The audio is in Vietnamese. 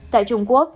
tại trung quốc